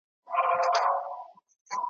ځکه واشنګټن پاکستان ته